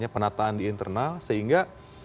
penataan di internal sehingga